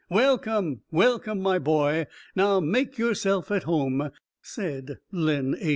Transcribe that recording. "Welcome, welcome, my boy! Now make yourself at home," said Len A n.